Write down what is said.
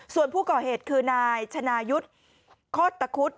ส่วนผู้ก่อเหตุคือนายชนายุทธ์โคตตะคุด